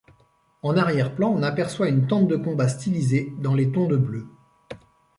En arrière-plan, on aperçoit une tente de combat stylisée, dans les tons de bleu.